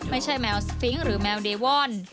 ไม่ใช่แมวสฟิงค์หรือแมวเดวอล